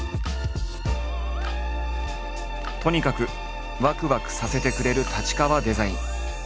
とにかくわくわくさせてくれる太刀川デザイン。